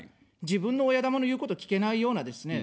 自分の親玉の言うこと聞けないようなですね、